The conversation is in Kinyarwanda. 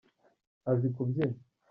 azi kubyina.